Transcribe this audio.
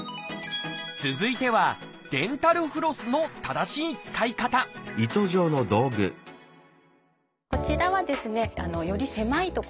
続いてはデンタルフロスの正しい使い方こちらはですねより狭い所